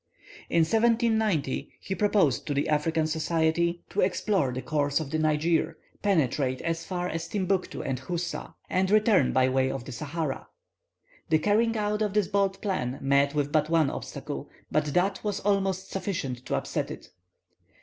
In 1790, he proposed to the African Society to explore the course of the Niger, penetrate as far as Timbuctoo and Houssa, and return by way of the Sahara. The carrying out of this bold plan met with but one obstacle, but that was almost sufficient to upset it.